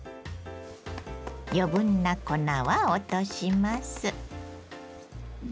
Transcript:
余分な粉は落とします。